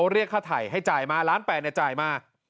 เรียกค่าไถให้จ่ายมาร้านแป่ใช่จ่ายมา